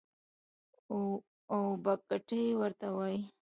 او بګتۍ ورته وايي.